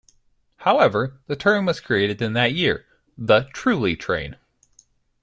However, a term was created in that year - the "Trulli Train".